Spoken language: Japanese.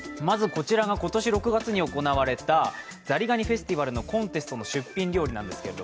今年６月に行われたザリガニフェスティバルのコンテストの出品料理です。